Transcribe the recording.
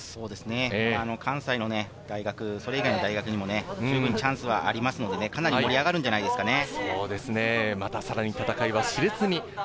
関西の大学、それ以外の大学にもチャンスはありますので、かなり盛り上がるんじゃないですかね。